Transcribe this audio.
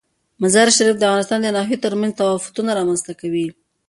مزارشریف د افغانستان د ناحیو ترمنځ تفاوتونه رامنځ ته کوي.